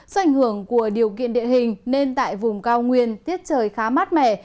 do ảnh hưởng của điều kiện địa hình nên tại vùng cao nguyên tiết trời khá mát mẻ